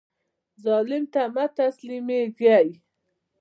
ظالم ته مه تسلیمیږئ